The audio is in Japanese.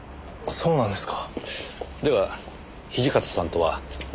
そうなんですか。